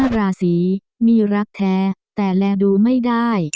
ราศีมีรักแท้แต่แลดูไม่ได้